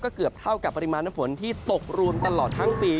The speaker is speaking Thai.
เกือบเท่ากับปริมาณน้ำฝนที่ตกรวมตลอดทั้งปี